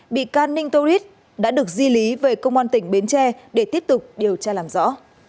bị can ninh torit đã được di lý về công an tỉnh bến tre để tiếp tục điều tra làm rõ